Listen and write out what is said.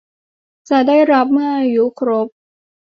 จะได้รับเมื่ออายุครบ